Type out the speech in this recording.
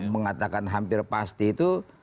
mengatakan hampir pasti itu